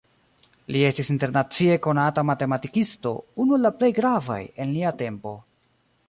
Li estis internacie konata matematikisto, unu el plej gravaj en lia tempo.